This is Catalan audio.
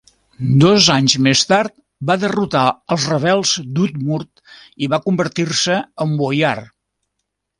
Dos anys més tard, va derrotar els rebels d'Udmurt i va convertir-se en boiar.